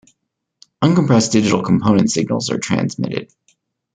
Uncompressed digital component signals are transmitted.